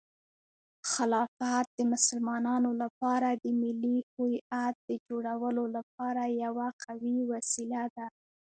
خلافت د مسلمانانو لپاره د ملي هویت د جوړولو لپاره یوه قوي وسیله ده.